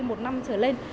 một năm trở lên